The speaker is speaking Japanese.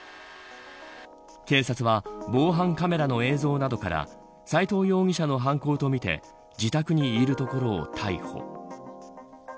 警察は防犯カメラの映像などから斎藤容疑者の犯行とみて自宅にいるところを逮捕。